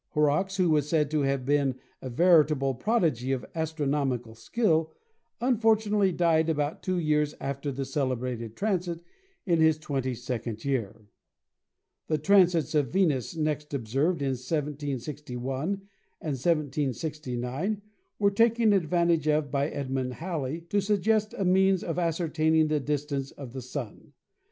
Horrocks, who was said to have been a veritable prodigy of astronomical skill, unfortunately died about two years after this celebrated transit, in his twenty second year. The transits of Venus next observed in 1761 and 1769 were taken advantage of by Edmund Halley to suggest a means of ascertaining the distance of the Sun.